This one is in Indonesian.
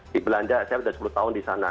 di belanda saya sudah sepuluh tahun di sana